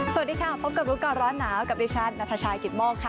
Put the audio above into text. สวัสดีค่ะพบกับลูกกอนร้อนหนาวกับดิชาร์ดณฑชายกิดม่องค่ะ